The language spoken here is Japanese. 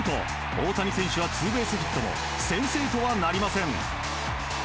大谷選手はツーベースヒットも先制とはなりません。